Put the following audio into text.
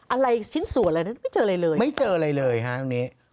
อะไรชิ้นส่วนอะไรนั้นไม่เจออะไรเลยไม่เจออะไรเลยฮะตรงนี้